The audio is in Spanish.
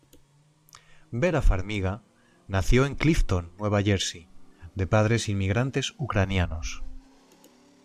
Vera Farmiga nació en Clifton, Nueva Jersey, de padres inmigrantes ucranianos.